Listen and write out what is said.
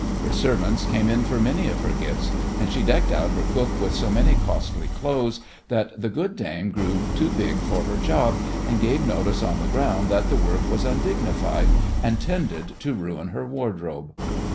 Her servants came in for many of her gifts, and she decked out her cook with so many costly clothes that the good dame grew too big for her job, and gave notice on the ground that the work was undignified, and tended to ruin her wardrobe!